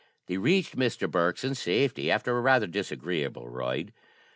They reached Mr. Bourke's in safety after a rather disagreeable ride.